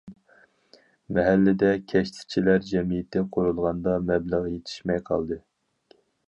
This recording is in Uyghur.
مەھەللىدە‹‹ كەشتىچىلەر جەمئىيىتى›› قۇرۇلغاندا مەبلەغ يېتىشمەي قالدى.